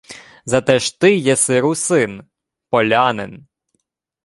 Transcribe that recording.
— Зате ж ти єси русин, полянин...